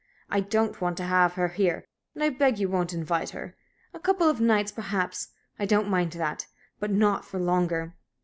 I don't want to have her here, and I beg you won't invite her. A couple of nights, perhaps I don't mind that but not for longer."